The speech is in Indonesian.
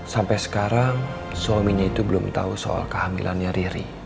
sampai sekarang suaminya itu belum tahu soal kehamilannya riri